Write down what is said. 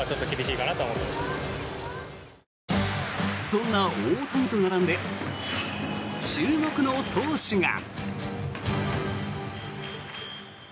そんな大谷と並んで注目の投手が。